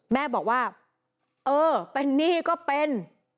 แม่บอกว่าเออเป็นหนี้ก็เป็น